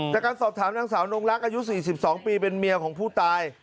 จากการสอบถามนางสาวนงรักอายุ๔๒ปีเป็นเมียของผู้ตาย